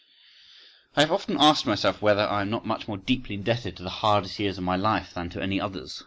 I have often asked myself whether I am not much more deeply indebted to the hardest years of my life than to any others.